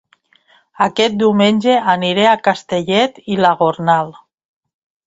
Aquest diumenge aniré a Castellet i la Gornal